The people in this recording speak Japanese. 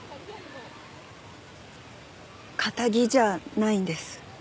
堅気じゃないんです。